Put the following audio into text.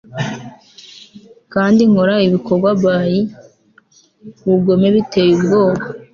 kandi nkora ibikorwa by ubugome biteye ubwoba